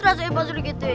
rasanya pas serigiti